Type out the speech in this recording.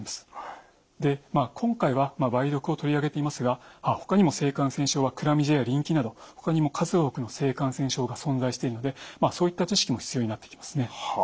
今回は梅毒を取り上げていますがほかにも性感染症はクラミジアや淋菌などほかにも数多くの性感染症が存在しているのでそういった知識も必要になってきますね。